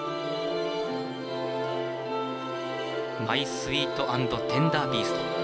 「マイ・スウィート・アンド・テンダー・ビースト」。